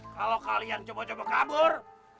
kalau kalian cuma cuma kabur